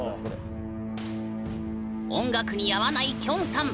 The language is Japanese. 音楽に合わないきょんさん。